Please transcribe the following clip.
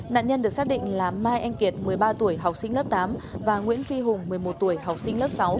nạn nhân được xác định là mai anh kiệt một mươi ba tuổi học sinh lớp tám và nguyễn phi hùng một mươi một tuổi học sinh lớp sáu